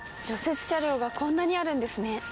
雪車両がこんなにあるんですね。